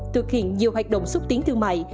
thực hiện nhiều hoạt động xúc tiến thương mại